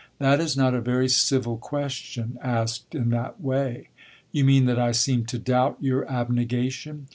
"That is not a very civil question, asked in that way." "You mean that I seem to doubt your abnegation?"